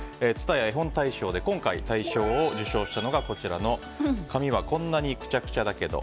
えほん大賞で今回、大賞を受賞したのがこちらの「かみはこんなにくちゃくちゃだけど」